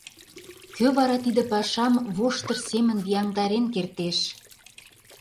Кӧ вара тиде пашам воштыр семын вияҥдарен кертеш?